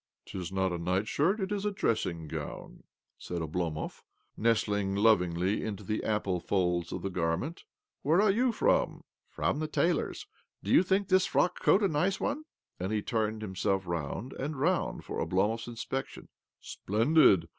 " 'Tis not a nightshirt, it is a dressing 24 OBLOMOV gown," said Oblomov, nestling lovingly into the ample folds of the garment. " Where are you from? " "From the tailor's. Do you think this frock coat a nice one?" And he turned himself round arid round for Oblomov's inspection. " Splendid